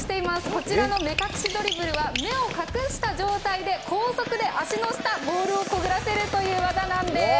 こちらの目隠しドリブルは目を隠した状態で高速で足の下、ボールをくぐらせるという技なんです。